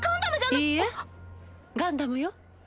いいえガンダムよ。